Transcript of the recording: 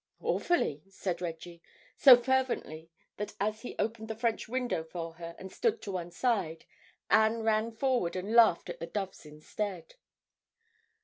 "Awfully," said Reggie, so fervently that as he opened the French window for her and stood to one side, Anne ran forward and laughed at the doves instead.